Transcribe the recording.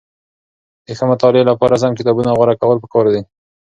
د ښه مطالعې لپاره سم کتابونه غوره کول پکار دي.